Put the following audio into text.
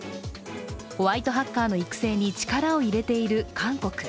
ホワイトハッカーの育成に力を入れている韓国。